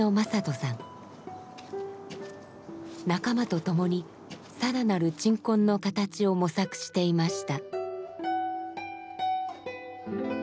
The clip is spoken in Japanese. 仲間と共に更なる鎮魂の形を模索していました。